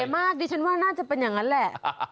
มากดิฉันว่าน่าจะเป็นอย่างนั้นแหละ